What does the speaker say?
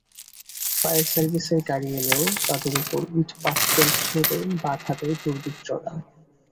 Fire সার্ভিসের গাড়ি এলেও তাদের ওপর ইটপাটকেল ছুড়ে বাধা দেয় দুর্বৃত্তরা।